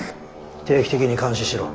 定期的に監視しろ。